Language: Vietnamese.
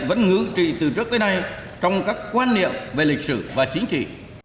vẫn ngữ trị từ trước tới nay trong các quan niệm về lịch sử và chính trị